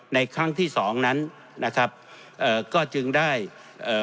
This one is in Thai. ครั้งที่สองนั้นนะครับเอ่อก็จึงได้เอ่อ